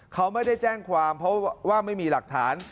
เขาไม่ได้แจ้งความเพราะว่าไม่มีหลักฐาน